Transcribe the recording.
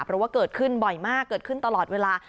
เพราะว่าเกิดขึ้นบ่อยมากเกิดขึ้นตลอดเวลา